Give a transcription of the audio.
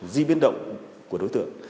di biến động của đối tượng